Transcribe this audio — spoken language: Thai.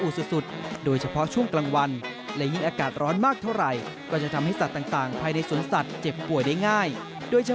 เสือโครงและเสือชีตาได้เป็นอย่างดีอีกด้วย